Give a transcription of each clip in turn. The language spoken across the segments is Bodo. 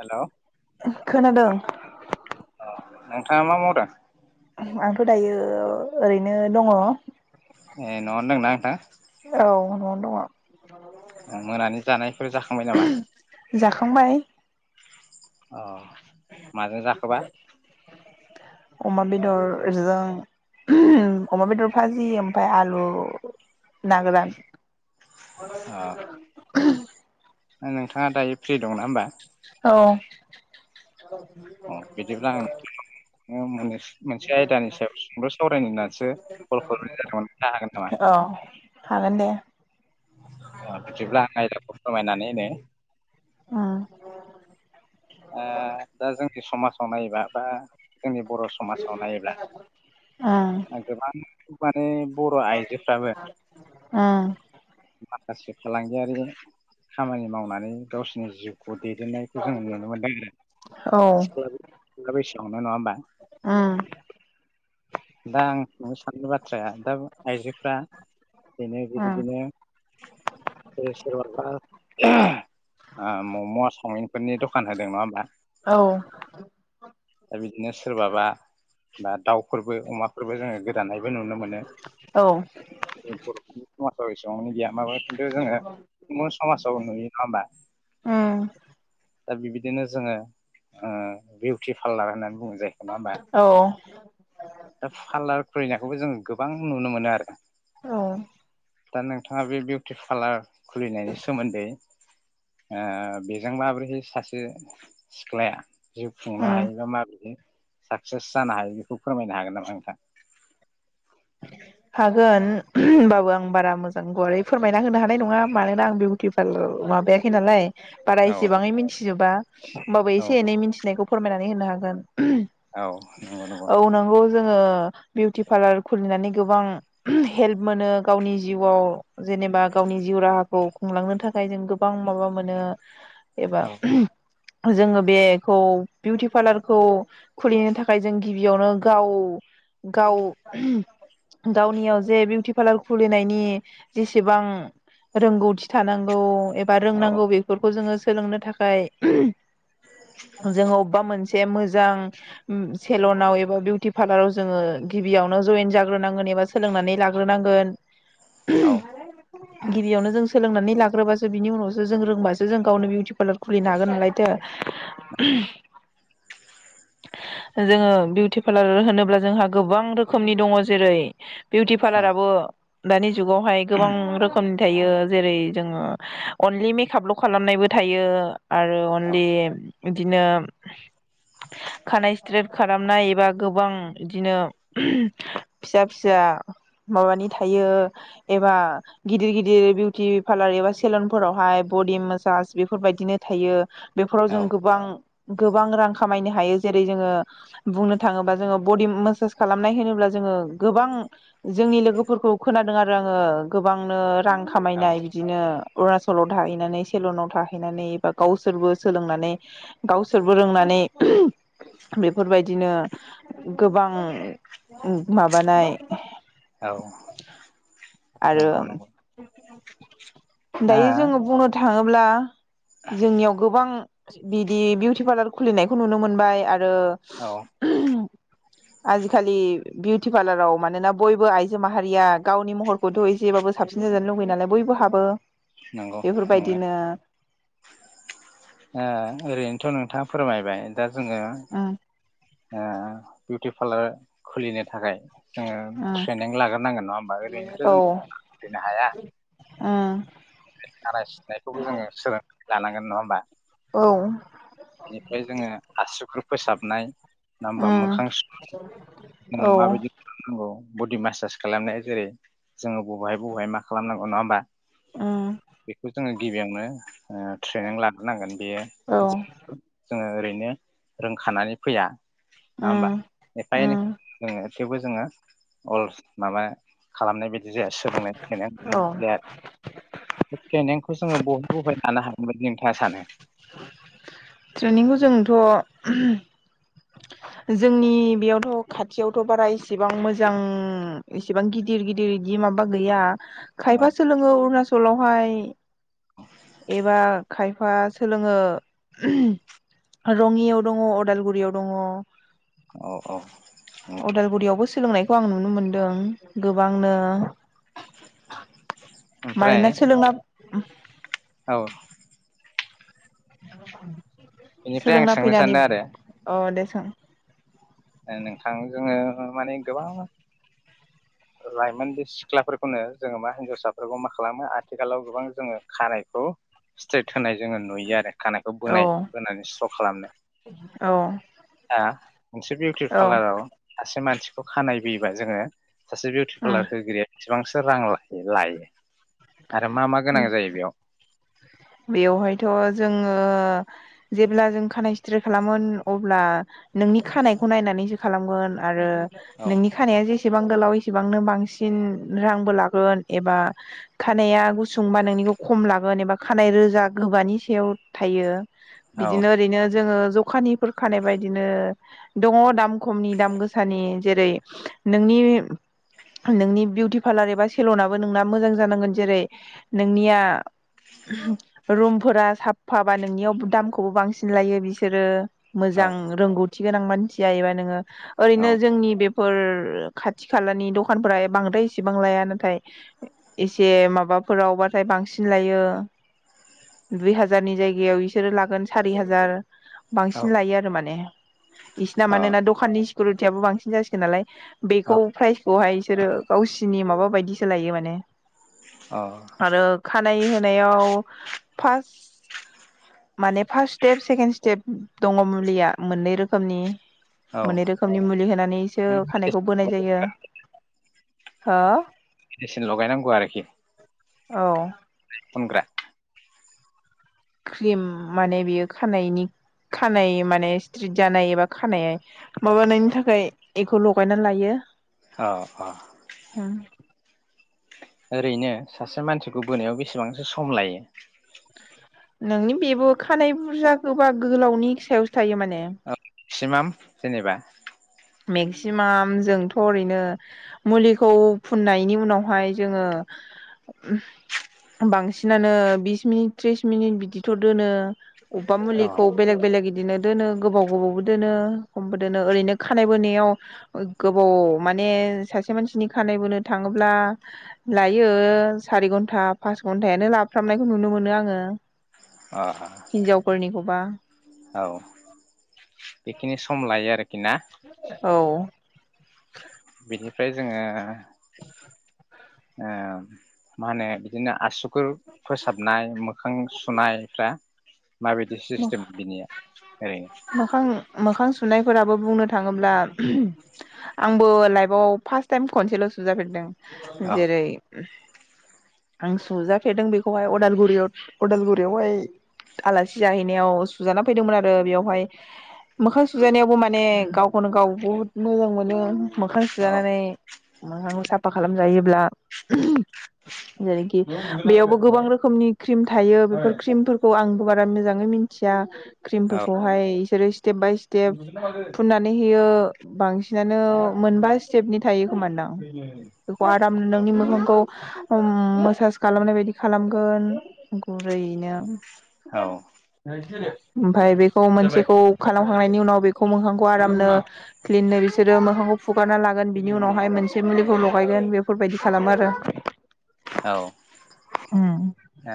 हेलौ अ खोनादों। अ नोंथाङा मा मावदों? आंथ' दायो ओरैनो दङ। ए न'आवनो दोंना नोंथां? औ न'आवनो दङ। ओ मोनानि जानायफोर जाखांबाय नामा? जाखांबाय। अ माजों जाखोबा? अमा बेदरजों अमा बेदर भाजि ओमफ्राय आलु ना गोरान अ [unintelligible] [unintelligible] नोंथाङा दायो फ्रि दंना होमबा औ [unintelligible] नो मोननै मोनसे आयदानि सायाव संद सावरायनो होननानैसो कल खालामनाय जादोंमोन हागोन नामा औ हागोन दे अ बिदिब्ला आयदाखौ फोरमायनानै होदो ओम ओ दा जों समाजाव नायबा बा जोंनि बर समाजाव नायोब्ला ओ गोबां माने बर' आइजोफ्राबो [unintelligible] ओम माखासे फालांगियारि खामानि मावनानै गावसिनि जिउखौ खौ दैदेननायखौ जों नुनो मोनदों औ उम आरो [unintelligible] ना नंङा होमबा उम [unintelligible] दां थांनोबा थ्राया दा आइजोफ्रा बिनो औ बेबायदिनो सोरहाबा आ मम सावमिनफोरनि दखान होदों नङा होमबा औ दा बि दिनो सोरबाबा दा दाउफोरबो अमाफोरबो जोंङो गोदानायबो नुनो मोन नो जों बरफोरनि [unintelligible] दंनि गैया माबोद खिन्थु जोंङो गुबुन समाजाव नुयो नंङा होमबा उम दा बिबायदिनो जोंङो ओ बिउटि पार्लार होननानै बुङो नो नङा होमबा औ [inaudible] दा फालार फैना खौबो जों गोबां नुनो मोनो आरो औ दा नोंथाङा बे बिउटि पालार खुलिनायनि सोमोन्दै ओ बेजों माबोरैहाय सासे सिख्लाया जिउ खुंनो उम हायोबा माब्रैयो साक्सेस जानो हायो बेखौ फोरमायनो हागोन नामा नोंथां हागोन होनबाबो आं बारा मोजां गुवारै फोरमायना होनो हानाय नङा मानोना आं बिउटि पार्लार माबायाखै नालाय बारा औ एसेबाङै मिथिजोबा होमबाबो एसे नंगौ। एनै मिथिनायखौ फोरमायनानै नै होनो हागोन औ नंगौ औ नंगौ जोङो बिउटि पारलार खुलिनानै गोबां हेल्प मोनो गावनि जिउआव जेनेबा गावनि जिउ राहाखौ खुंलांनो थाखाय जों गोबां माबा मोनो एबा औ जोङो बेखौ बिउटि पार्लारखौ खुलिनो थाखाय जों गिबियावनो गाव गाव गावनियाव जे बिउटि पार्लार खुलिनायनि जेसेबां रोंगौथि थानांगौ एबा औ रोंनांगौ बेफोरखौ जोङो सोलोंनो थाखाय जोंङो अबेबा मोनसे मोज जाओं ओ सेलनाव एबा बिउति फारलार आव जोङो गिबि बियावनो जयेन जाग्रोनांगोन एबा सोलोंनानै लाग्रोनांगोन औ गिबियावनो जों सोलोंनानै लाग्रोबासो बिनि उनावसो जों रोंबासो जों गावनो बिउटि पार्लार खुलिनो हागोन नालायथो जोङो बिउटि पार्लार होनोब्ला जोंहा गोबां गोबां रोखोमनि दङ जेरै बिउटि पार्लाराबो दानि जुगावहाय गोबां रोखोम थायो जेरै जोङो अनलि मेकापल' खालामनायबो थायो आरो औ अनलि बिदिनो खानाय स्ट्रेट खालामनाय एबा गोबां बिदिनो फिसा फिसा माबानि थायो एबा गिदिर गिदिर बिउटि पार्लार एबा सेलनफोरावहाय बडि मासाज बेफोरबायदिनो थायो बेफोराव औ जों गोबां गोबां रां खामायनो हायो जेरै जोङो बुंनो थाङोबा जोङो बडि मासाज खालामनाय होनोब्ला जोङो गोबां जोंनि लोगोफोरखौ खोनादों आरो आङो गोबांनो रां औ खामायनाय बिदिनो अरुणाचलाव थाहैनानै सेलनाव थाहैनानै एबा गावसोरबो सोलोंनानै गावसोरबो रोंनानै बेफोरबायदिनो गोबां माबानाय औ आरो नंगौ नंगौ आ दायो जोङो बुंनो था थाङोब्ला जोंनियाव गोबां बिदि बिउटि पार्लार खुलिनायखौ नुनो मोनबाय आरो औ आरो आजि खालि बिउटि पार्लाराव मानोना बयबो आइजो माहारिया गावनि महरखौथ' नंगौ नोङो बेफोरबायदिनो ओ ओरैनोथ' नोंथाङा फोरमायबाय। दा जोङो उम ओ बिउटि पार्लार खुलिनो थाखाय जोङो उम ट्रेनिं लाग्रोनांगोन नङा होमबा ओरैनोथ' खुलिनोनो हाया ‌ ओ आराय सिनायखौबो जोङो सोलों लानांगोन नङा होमबा? औ बेनिफ्राय जोङो आसुगुर फोसाबनाय नङा होमबा औ मोखां सुनानै उम औ माबादि खुलुमनायखौ बडि मासाज खालामनाया जेरै जोङो बबेहाय बबेहाय मा खालामनांगौ नङा होमबा बेखौ जोङो गिबियावनो ओ ट्रेनिं लानो नांगोन बेयो जोंनि जोङो ओरैनो रोंखानानै फैया नङा होमबा उम एफा-एनै उम थेवबो जोङो अल माबा खालामनायदि बिदि जाया सोदांनाय ट्रेनिं औ बे ट्रेनिंखौ जोङो बहाय बहाय लानो हायो जों? मा सानो? ट्रेनिंखौ जोंथ' जोंनि बेयावथ' खाथियावथ' बारा इसेबां मोजां इसेबां गिदिर गिदिर बिदि माबा गैया औ खायफा सोलोङो अरुणाचल चलावहाय एबा खायफा फा सोलोङो रङियाव दङ' अदालगुरियाव दङ' औ-औ उ अदालगुरियावबो सोलोंनायखौ आं नुनो मोनदों गोबांनो ओमफ्राय मानोना सोलोंना [unintelligible] औ [unintelligible] इनिफ्राय आं सोंनो सान्दों आरो सा नोंथां जोंङो माने गोबां लाइमोन बे सिख्लाफोरखौनो जोंङो मा हिनजावसाफोरखौ मा खालामो आथिखालाव गोबां जोंङो खानायखौ स्ट्रेट होनाय जोंङो नुयो आरो खानायखौ औ बोनाय बोनानै स्र खालामनाय औ आ मोनसे थि औ फालाराव सासे मानसिखौ खानाय बैयोबा जोंङो सासे बिउटि पार्लार होगिरिया बेसेबांसो रां लायो आरो मा मा उम गोनां जायो बेयाव बेवहायथ जोंङो जेब्ला जों खानायाइ सिथ्रे खालामोन अब्ला नोंनि खानायखौ नायनानैसो खालामगोन आरो औ नोंनि खानाया जेसे इसेबां गोलाव इसेबांनो बांसिन रांबो लागोन एबा खानाया गुसुंबा नोंनिखौ खम लागोन एबा खानाय रोजा गोबानि सायाव थायो औ बिदिनो ओरैनो जोंङो दखानिफोर खानाय बायदिनो दङ दाम खमनि दाम गोसानि जेरै नोंनि नोंनि बिउटि पार्लार एबा सेलनाबो नोंना मोजां जानांगोन जेरै नोंनिया रुम फोरा साफ फाबा नोंनियाव दामखौ खौबो बांसिन लायो बिसोरो औ मोजां रोंगौथि गोनां मानसिया एबा नोंङो औ ओरैनो जोंनि बे फोर खाथि खालानि दखानफोरा बांद्राय एसेबां लाया नाथाय एसे माबाफोरावबाथाय बांसिन लायो दुइ हाजारनि जायगायाव बिसोरो लागोन सारि हाजार औ बांसिन लायो आरो माने इसिना मानोना अ दखाननि गुरुथियबो बांसिन जासिगोनालाय औ बेखौ अ प्राइजखौहाय बिसोरो गावसिनि माबा बायदिसो लायो माने आरो खानाय हो नायाव फास माने फारस स्टेप सेकेणड स्टेप दङ मुलिया मोननै रोखोमनि औ मोननै रोखोमनि मुलि होनानैसो माने खानायखौ बोनाय मेडिसिन जायो [inaudible] मेडिसिन लगायनांगौ आरोखि औ फुनग्रा क्रिम माने बेयो खानायनि खानाय माने स्ट्रेट जानाय एबा खानाय माबानायनि थाखाय बेखौ लगायनानै लायो औ औ। ओरैनो सासे मानसिखौ बोनायाव बेसेबांसो सम लायो? नोंनि बेबो खानाय बुरजा गोबा गोलावनि सायावसो थायो माने ओ मेक्सिमाम जेनेबा मेक्सिमाम जोंथ' ओरैनो मुलिखौ फुननायनि उनावहाय जोङो बांसिनानो बिस मिनिट थ्रिस मिनिट बिदिथ' दोनो। अबेबा अ मुलिखौ बेलेग बेलेग बिदिनो दोनो गोबाव गोबावबो दोनो खमबो दोनो ओरैनो खानाय बोनायाव गोबाव माने सासे मानसिनि खानाय बोनो थाङोब्ला लायो सारि घन्टा पास घन्टायानो लाफ्रामनायखौ नुनो मोनो आङो। अ हिनजाावफोरनिखौ। बा औ बेखिनि सम लायो आरोखि ना? औ। [inaudible] बिनिफ्राय जोङो [inaudible] ओ मा होनो बिदिनो आसु गुर फोसाबनाय मोखां सुनायफ्रा माबायदि सिस्टेम बिनिया ओरैनो फोराबो बुंनो थाङोब्ला आंबो लाइफआव फार्स्ट टाइम खनसेल' सुजाफेरदों। औ जेरै आं सुजाफेरदों बेखौहाय अदालगुरियाव उदालगुरियावहाय आलासि सि जाहैनायाव सुजाना फैदोंमोन आरो बेयावहाय मोखां सुजानायावबो माने गावखौनो गाव बुहुत मोजां मोनो। मोखां औ सुजानानै मोखांबो साफा खालामजायोब्ला जेरैखि बेयावबो गोबां रोखोमनि क्रिम थायो बेफोर क्रिमफोरखौ आंबो बा रा मोजाङै मिथिया। औ क्रिमफोरखौहाय इसोरो स्टेप बाय स्टेप फुननानै होयो बांसिनानो मोनबा स्टेपनि थायो खोमानदां। बेखौ [unintelligible] आराम नोंनि मोखांखौ मोसाज खालामनाय बायदि खालामगोन गुरैयैनो। औ [unintelligible] ओमफाय बेखौ मोनसेखौ खालामखांनायनि उनाव बे खौ मोखांखौ आरामनो क्लिननो बिसोरो मोखांखौ फुगारना लागोन बिनि उनावहाय मोनसे मुलिखौ लगायगोन बेफोरबायदि खालामो आरो। औ। उम। ओ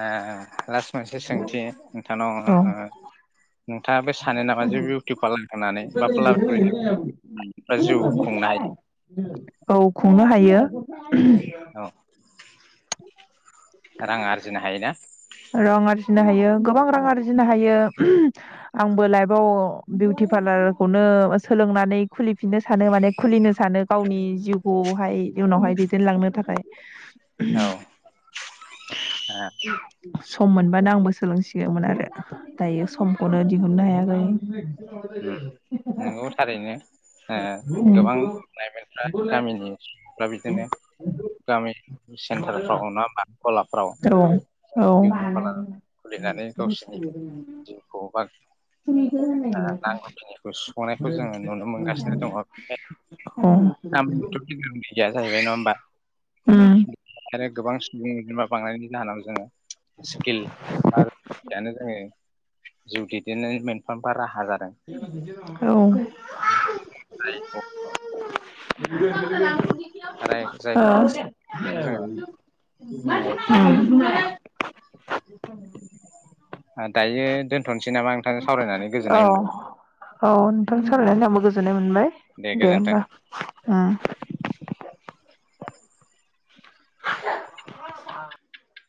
लास्ट मोनसे सोंथि नोंथांनाव औ ओ नोंथाङाबो सानो नामा जे बिउटि पार्लार होनानै बा पार्लार खुलिनानै जिउ खुंनो औ खुंनो हायो। औ रां आरजिनो हायोना? रां आरजिनो हायो गोबां रां आरजिनो हायो आंबो लाइफआव बिउटि पार्लारखौनो सोलोंनानै खुलिफिननो सानो माने खुलिनो सानो गावनि जिउखौहाय इउनावहाय दैदेनलांनो थाखाय। औ ह। सम मोनबानो आंबो सोलोंसिगौमोन आरो दायो समखौनो दिहुननो हायाखै। नंगौ थारैनो गोबां लाइमोनफ्रा गामिनि ओमफ्राय बिदिनो गामि सेन्टारफ्राव ना होमा गलाफ्राव औ जोङो उम औ बिउटि पार्लार खुलिनानै गावसोरनि जिउखौ बा [unintelligible] [unintelligible] बांनायनि जाहोनाव जोङो स्किल [inaudible] [unintelligible] औ। [unintelligible] आरो जायखौ गोसो जोङो [unintelligible] [unintelligible] दायो दोनथ'नोसै नामा नोंथां। सावरायनानै गोजोननाय मोनबाय। औ नोंथां सोलायनानै आंबो गोजोननाय मोन मोनबाय दे गोजोन्थों। दे होमबा। [inaudible]